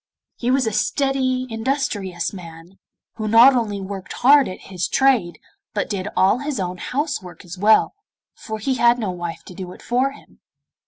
He was a steady industrious man, who not only worked hard at his trade, but did all his own house work as well, for he had no wife to do it for him.